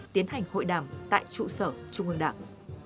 tiến hành hội đàm tại trụ sở trung ương đảng